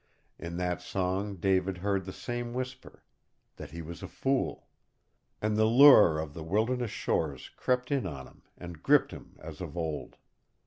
In that song David heard the same whisper, that he was a fool! And the lure of the wilderness shores crept in on him and gripped him as of old.